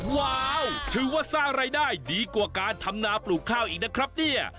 ว้าวถือว่าสร้างรายได้ดีกว่าการทำนาปลูกข้าวอีกนะครับเนี่ย